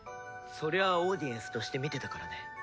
そりゃあオーディエンスとして見てたからね。